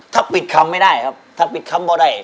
ถ้าปิดคำไม่ได้ครับถ้าปิดคำบ่ได้